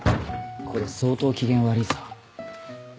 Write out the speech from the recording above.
これ相当機嫌悪ぃぞ。